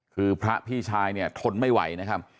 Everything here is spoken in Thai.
คือพระพี่ชายเนี่ยทนไม่ไหวนะครับ